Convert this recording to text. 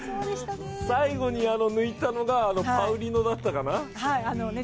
最後に抜いたのがパウリノだったかな。